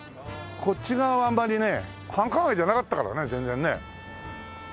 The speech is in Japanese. こっち側はあんまりね繁華街じゃなかったからね全然ね。